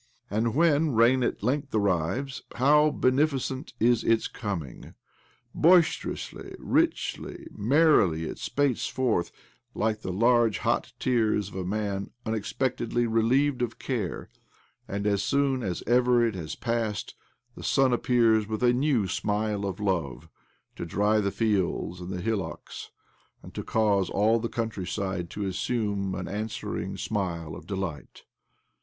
And when rain at length arrives, how beneficent is its coming ! Boisterously, richly, merrily it spates Jorth, like the large, hot tears of a man unexpectedly relieved of care ; and as soon as ever it has passed the sun appears with a new smile of love, to dry the fields and the (hillocks, and to cause all the coimtryside to assume an answering smile of delight.